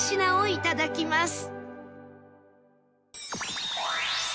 いただきます。